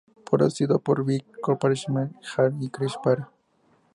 Producido por Vic Coppersmith-Heaven y Chris Parry.